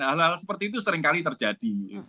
hal hal seperti itu seringkali terjadi